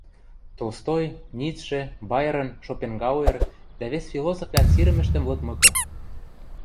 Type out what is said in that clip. Толстой, Ницше, Байрон, Шопенгауэр дӓ вес философвлӓн сирӹмӹштӹм лыдмыкы